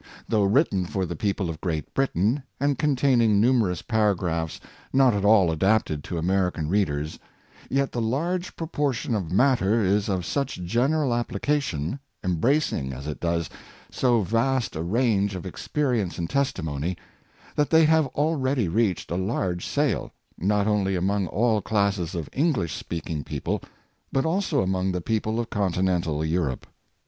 Though written for the people of Great Britain, and containing numerous paragraphs not at all adapted to American readers, yet the large proportion of matter is of such general ap plication, embracing, as it does, so vast a range of ex perience and testimony, that they have already reached a large sale, not only among all classes of EngHsh speaking people, but also among the people of Conti nental Europe.